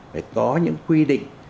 phải có những quy định